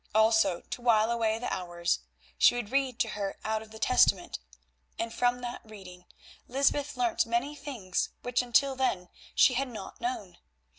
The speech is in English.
Also, to while away the hours, she would read to her out of the Testament, and from that reading Lysbeth learnt many things which until then she had not known.